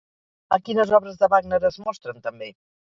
A quines obres de Wagner es mostren també?